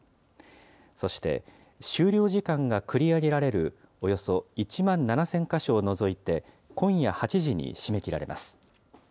そして、終了時間が繰り上げられるおよそ１万７０００か所を除いて、今夜８時に締め切られます。